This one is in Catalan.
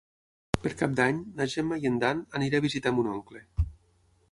Per Cap d'Any na Gemma i en Dan aniré a visitar mon oncle.